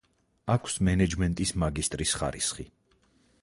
აქვს მენეჯმენტის მაგისტრის ხარისხი.